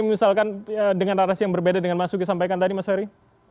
misalkan dengan arahnya yang berbeda dengan mas uki sampaikan tadi mas ferry